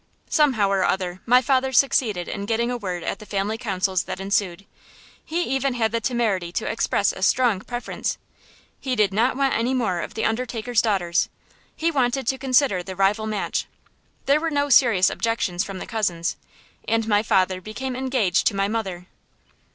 Somehow or other my father succeeded in getting in a word at the family councils that ensued; he even had the temerity to express a strong preference. He did not want any more of the undertaker's daughters; he wanted to consider the rival match. There were no serious objections from the cousins, and my father became engaged to my mother.